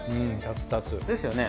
ですよね。